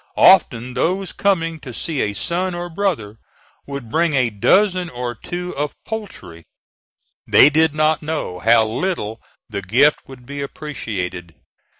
Often those coming to see a son or brother would bring a dozen or two of poultry. They did not know how little the gift would be appreciated.